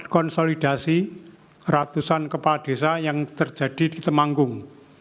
konsolidasi ratusan kepala desa yang terjadi di temanggung